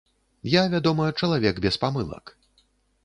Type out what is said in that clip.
Я, вядома, чалавек без памылак.